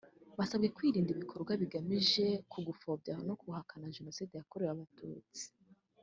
Basabwe kwirinda ibikorwa bigamije ku gupfobya no guhakana Jenoside yakorewe Abatutsi